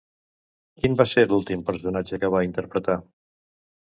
Quin va ser l'últim personatge que va interpretar?